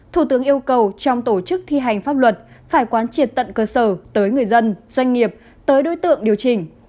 thủ tướng yêu cầu trong tổ chức thi hành pháp luật phải quán triệt tận cơ sở tới người dân doanh nghiệp tới đối tượng điều chỉnh